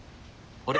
あれ？